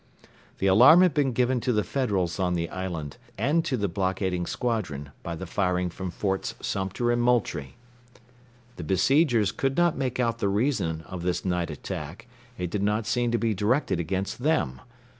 The alarm had been given to the Federals on the island, and to the blockading squadron, by the firing from Forts Sumter and Moultrie. The besiegers could not make out the reason of this night attack; it did not seem to be directed against them.